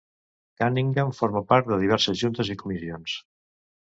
Cunningham forma part de diverses juntes i comissions.